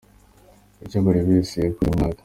Icyo buri wese yakoze mu mwaka.